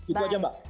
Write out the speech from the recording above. itu aja mbak